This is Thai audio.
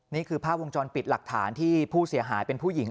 นี่คือภาพวงจรปิดหลักฐานที่ผู้เสียหายเป็นผู้หญิง